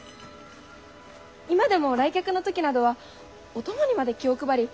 今でも来客の時などはお供にまで気を配り